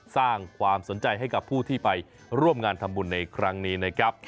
สร้างความสนใจให้กับผู้ที่ไปร่วมงานทำบุญในครั้งนี้นะครับ